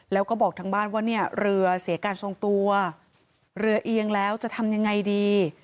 แล้วก็บอกทางบ้านว่าเนี่ยเรือเสียการทรงตัวเรือเอียงแล้วจะทำยังไงดี